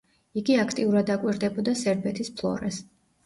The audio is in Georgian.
იგი აქტიურად აკვირდებოდა სერბეთის ფლორას.